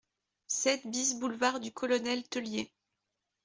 sept BIS boulevard du Colonel Teulié